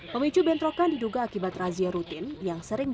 pemicu bentrokan diduga akibat razia rutin